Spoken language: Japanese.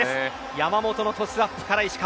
山本のトスアップから石川。